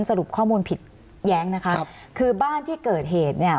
สรุปข้อมูลผิดแย้งนะคะครับคือบ้านที่เกิดเหตุเนี่ย